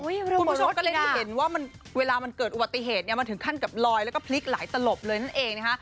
คุณผู้ชมก็เลยเห็นว่าเวลามันเกิดอุบัติเหตุเนี่ยมันถึงขั้นกับลอยแล้วก็พลิกหลายตลบเลยนั่นเองนะคะ